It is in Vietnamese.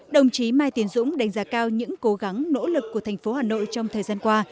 đồng chí mai tiến dũng đánh giá cao những cố gắng nỗ lực của thành phố hà nội trong thời gian qua